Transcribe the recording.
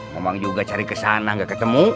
mau mang juga cari kesana gak ketemu